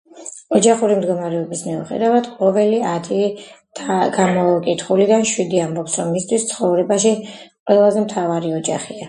ოჯახური მდგომარეობის მიუხედავად, ყოველი ათი გამოკითხულიდან შვიდი ამბობს, რომ მისთვის ცხოვრებაში ყველაზე მთავარი ოჯახია.